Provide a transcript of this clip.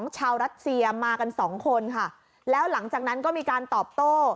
ชาวรัสเซียมากันสองคนค่ะแล้วหลังจากนั้นก็มีการตอบโต้